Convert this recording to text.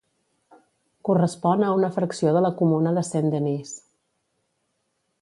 Correspon a una fracció de la comuna de Saint-Denis.